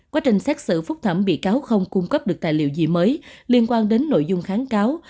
quá trình xét xử phúc thẩm bị cáo không cung cấp được tài liệu gì mới liên quan đến nội dung kháng cáo